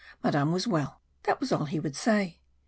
Madame was well that was all he would say.